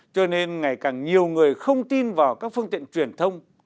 cho nên ngày càng nhiều người không tin vào các phương tiện truyền thông